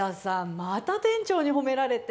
また店長に褒められて。